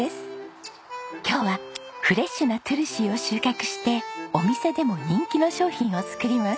今日はフレッシュなトゥルシーを収穫してお店でも人気の商品を作ります。